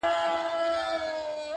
بهرني نظرونه موضوع زياتوي نور,